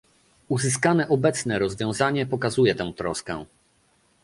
Uzyskane obecnie rozwiązanie pokazuje tę troskę